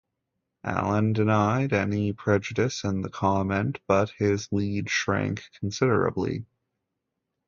Allen denied any prejudice in the comment, but his lead shrank considerably.